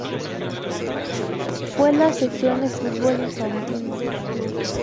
Fue la sección de fútbol infantil del club.